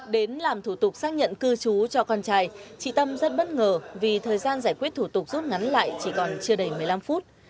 đến làm thủ tục xác nhận cư trú cho con trai chị tâm rất bất ngờ vì thời gian giải quyết thủ tục rút ngắn lại chỉ còn chưa đầy một mươi năm phút